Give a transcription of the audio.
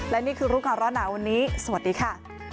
และนี่คือรู้ก่อนร้อนหนาวันนี้สวัสดีค่ะ